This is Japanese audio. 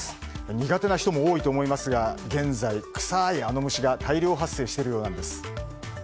苦手な人も多いと思いますが現在、臭いあの虫が大量発生しているようなんです。